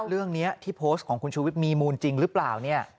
เรื่องนี้ที่โพสต์ของคุณชูวิทย์มีมูลจริงหรือเปล่าเนี่ย